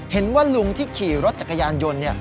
เห็นว่าลุงที่ขี่รถจักรยานยนต์